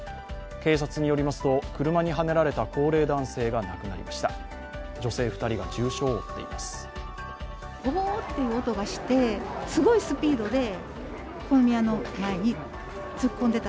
警察によりますと、車にはねられた高齢男性が亡くなりました。